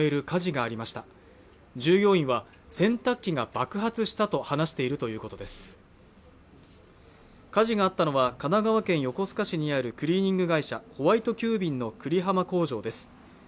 火事があったのは神奈川県横須賀市にあるクリーニング会社ホワイト急便の久里浜工場です